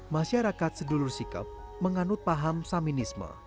masyarakat sedulur sikap menganut paham saminisme